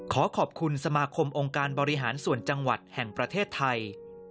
ขอขอบคุณสมาคมองค์การบริหารส่วนจังหวัดแห่งประเทศไทย